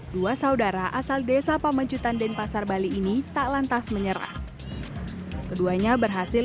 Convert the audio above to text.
dua saudara asal desa pamencutan denpasar bali ini tak lantas menyerah keduanya berhasil